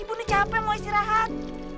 ibu nih capek mau istirahat